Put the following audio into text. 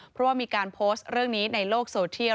เพราะว่ามีการโพสต์เรื่องนี้ในโลกโซเทียล